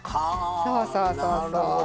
そうそうそうそう。